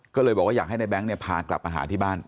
ก็เลยบอกว่าอยากให้ในแง๊งเนี่ยพากลับมาหาที่บ้าน